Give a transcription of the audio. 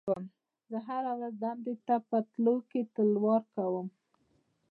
زه هره ورځ دندې ته په تللو کې تلوار کوم.